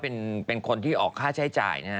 เป็นคนที่ออกค่าใช้จ่ายนะฮะ